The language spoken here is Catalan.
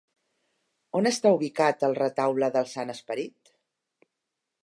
On està ubicat el Retaule del Sant Esperit?